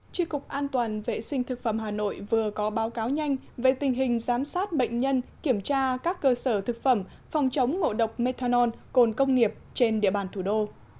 tri cục an toàn vệ sinh thực phẩm hà nội vừa có báo cáo nhanh về tình hình giám sát bệnh nhân kiểm tra các cơ sở thực phẩm phòng chống ngộ độc methanol cồn công nghiệp trên địa bàn thủ đô